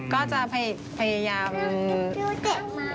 ก็จะพยายาม